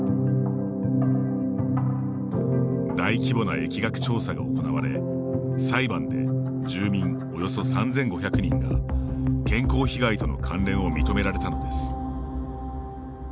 大規模な疫学調査が行われ裁判で住民およそ３５００人が健康被害との関連を認められたのです。